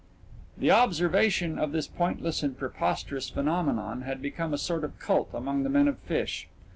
The observation of this pointless and preposterous phenomenon had become a sort of cult among the men of Fish.